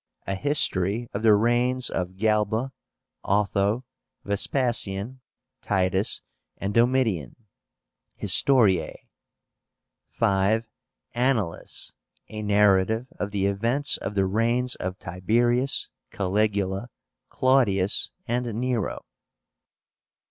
A history of the reigns of Galba, Otho, Vespasian, Titus, and Domitian (Historiae). 5. Annales, a narrative of the events of the reigns of Tiberius, Caligula, Claudius, and Nero.